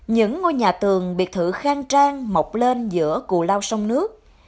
những ngôi nhà tường biệt thự khang trang mọc lên giữa cù lao sông nước